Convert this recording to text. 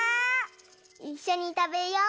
いっしょにたべよう！